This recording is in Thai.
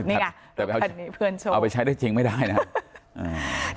นี่ค่ะเพื่อนโชคเอาไปใช้ได้จริงไม่ได้นะครับอ่า